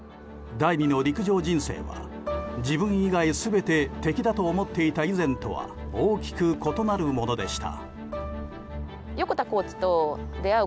第二の陸上人生は自分以外全て敵だと思っていた以前とは大きく異なるものでした。